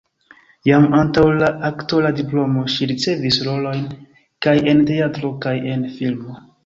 Jam antaŭ la aktora diplomo ŝi ricevis rolojn kaj en teatro, kaj en filmo.